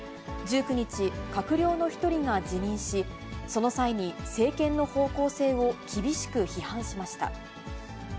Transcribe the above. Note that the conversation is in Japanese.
１９日、閣僚の１人が辞任し、その際に政権の方向性を厳しく批判しました。